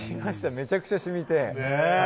めちゃくちゃしみて。